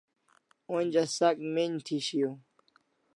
Onja sak men'j thi shiaw